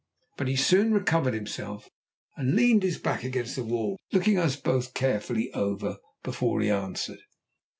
But he soon recovered himself and leaned his back against the wall, looking us both carefully over before he answered.